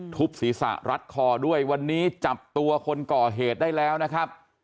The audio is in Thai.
ทุบศีรษะรัดคอด้วยวันนี้จับตัวคนก่อเหตุได้แล้วนะครับ